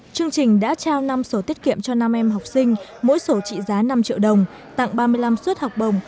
chương trình đã trao năm sổ tiết kiệm cho năm em học sinh mỗi sổ trị giá năm triệu đồng tặng ba mươi năm suất học bổng